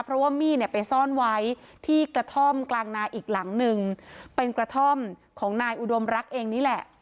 เพราะว่ามีดเนี่ยไปซ่อนไว้ที่กระท่อมกลางนาอีกหลังหนึ่งเป็นกระท่อมของนายอุดมรักเองนี่แหละ